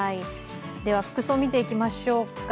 服装を見ていきましょうか。